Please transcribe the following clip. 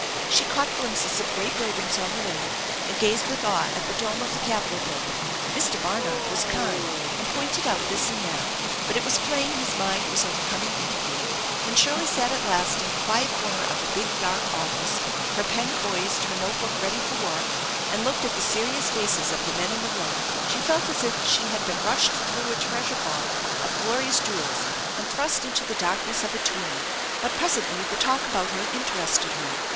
She caught glimpses of great buildings on the way, and gazed with awe at the dome of the Capitol building. Mr. Barnard was kind and pointed out this and that, but it was plain his mind was on the coming interview. When Shirley sat at last in a quiet corner of a big dark office, her pen poised, her note book ready for work, and looked at the serious faces of the men in the room, she felt as if she had been rushed through a treasure vault of glorious jewels and thrust into the darkness of a tomb. But presently the talk about her interested her.